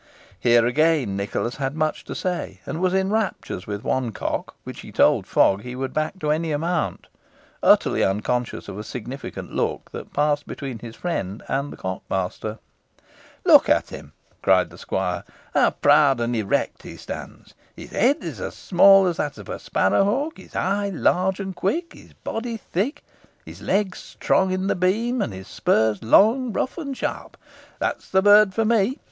Here, again, Nicholas had much to say, and was in raptures with one cock, which he told Fogg he would back to any amount, utterly unconscious of a significant look that passed between his friend and the cock master. "Look at him," cried the squire; "how proud and erect he stands! His head is as small as that of a sparrowhawk, his eye large and quick, his body thick, his leg strong in the beam, and his spurs long, rough, and sharp. That is the bird for me.